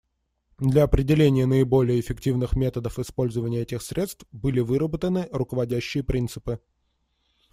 Для определения наиболее эффективных методов использования этих средств были выработаны руководящие принципы.